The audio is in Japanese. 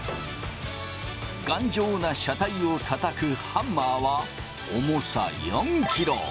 頑丈な車体をたたくハンマーは重さ４キロ。